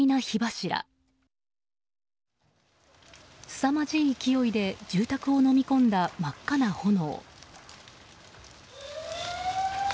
すさまじい勢いで住宅をのみ込んだ真っ赤な炎。